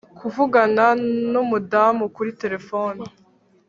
kuvugana nu mudamu kuri telefone